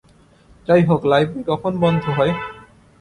যাইহোক, লাইব্রেরি কখন বন্ধ হয়?